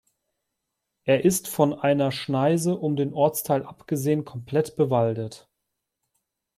Er ist, von einer Schneise um den Ortsteil abgesehen, komplett bewaldet.